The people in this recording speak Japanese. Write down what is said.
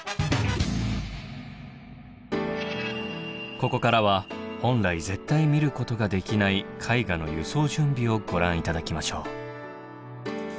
ここからは本来絶対見ることができない絵画の輸送準備をご覧頂きましょう。